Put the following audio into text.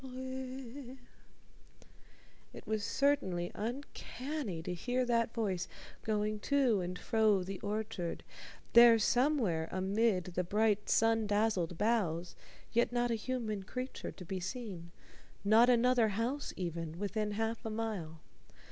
"_ It was certainly uncanny to hear that voice going to and fro the orchard, there somewhere amid the bright sun dazzled boughs yet not a human creature to be seen not another house even within half a mile.